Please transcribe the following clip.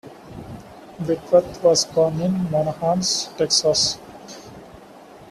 Whitworth was born in Monahans, Texas.